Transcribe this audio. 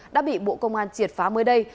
đã bị bộ công an triệt phá mới đây